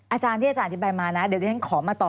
อาจารย์ที่อาจารย์อธิบายมานะเดี๋ยวที่ฉันขอมาต่อ